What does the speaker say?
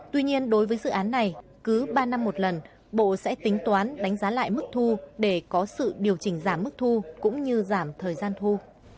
tuy nhiên đối với dự án này cứ ba năm một lần bộ sẽ tính toán đánh giá lại mức thu để có sự điều chỉnh giảm mức thu cũng như giảm thời gian thu